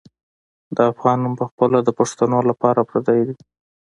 د افغان نوم پخپله د پښتنو لپاره پردی دی.